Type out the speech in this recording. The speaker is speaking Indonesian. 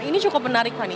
ini cukup menarik fani